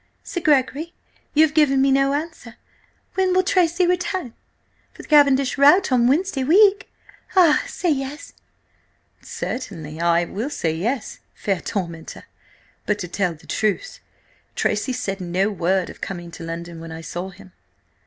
Sir Gregory, you have given me no answer. When will Tracy return? For the Cavendish rout on Wednesday week? Ah, say yes!" "Certainly I will say yes, fair tormentor! But, to tell the truth, Tracy said no word of coming to London when I saw him."